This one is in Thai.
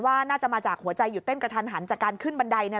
ว่าน่าจะมาจากหัวใจหยุดเต้นกระทันหันจากการขึ้นบันได